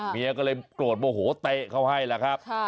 เมียก็เลยโกรธโมโหเตะเขาให้แหละครับ